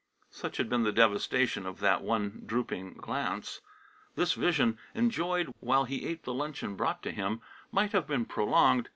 Such had been the devastation of that one drooping glance. This vision, enjoyed while he ate of the luncheon brought to him, might have been prolonged.